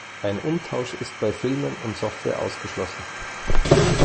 Ein Umtausch ist bei Filmen und Software ausgeschlossen.